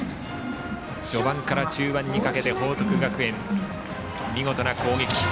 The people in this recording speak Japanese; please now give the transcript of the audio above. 序盤から中盤にかけて報徳学園、見事な攻撃。